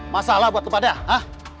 masalah buat kepada ha